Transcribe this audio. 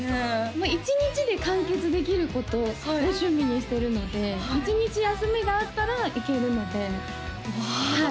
まあ１日で完結できることを趣味にしてるので１日休みがあったら行けるのでうわ